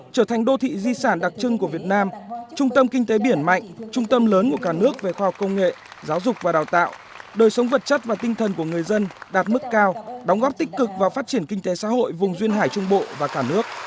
trở thành đô thị di sản đặc trưng của việt nam trung tâm kinh tế biển mạnh trung tâm lớn của cả nước về khoa học công nghệ giáo dục và đào tạo đời sống vật chất và tinh thần của người dân đạt mức cao đóng góp tích cực vào phát triển kinh tế xã hội vùng duyên hải trung bộ và cả nước